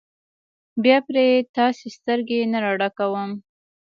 بیا پرې تاسې سترګې نه راډکوم.